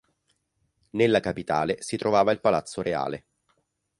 Nella capitale si trovava il palazzo reale.